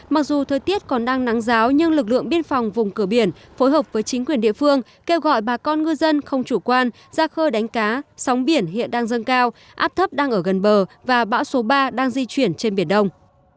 mặc dù thời tiết còn đang nắng giáo nhưng lực lượng biên phòng vùng cửa biển phối hợp với chính quyền địa phương kêu gọi bà con ngư dân không chủ quan ra khơi đánh cá sóng biển hiện đang dâng cao áp thấp đang ở gần bờ và bão số ba đang di chuyển trên biển đông